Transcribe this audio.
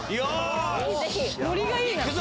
ノリがいいな。